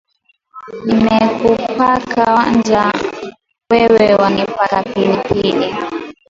Nimekupaka wanja, wewe wanipaka pilipili